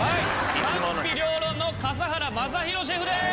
賛否両論の笠原将弘シェフです！